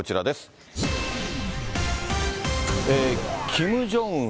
キム・ジョンウン